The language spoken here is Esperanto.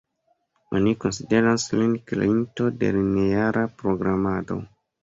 Oni konsideras lin kreinto de lineara programado.